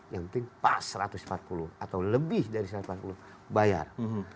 yang penting pas satu ratus empat puluh atau lebih dari satu ratus delapan puluh bayar